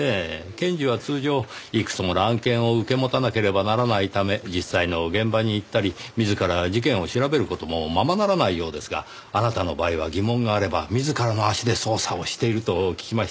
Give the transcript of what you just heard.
検事は通常いくつもの案件を受け持たなければならないため実際の現場に行ったり自ら事件を調べる事もままならないようですがあなたの場合は疑問があれば自らの足で捜査をしていると聞きました。